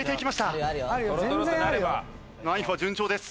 ナイフは順調です。